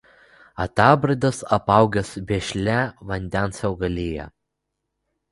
Atabradas apaugęs vešlia vandens augalija.